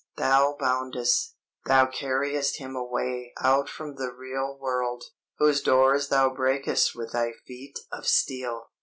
thou boundest, thou carriest him away out from the real world, whose doors thou breakest with thy feet of steel!